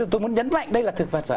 tôi muốn nhấn mạnh đây là thực vật rồi